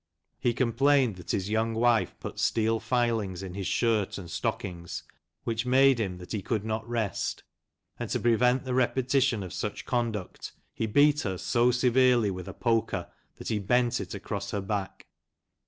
He com plained that his young wife put steel filings in his shirt and stockings, which made him that he could not rest, and to prevent the repetition of such conduct, he beat her so severely with a poker that he bent it across her back.